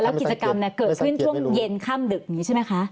แล้วกิจกรรมเกิดขึ้นทั่วเย็นข้ามดึกนี้ใช่ไหมคะ